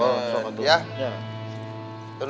oh sobat tuhan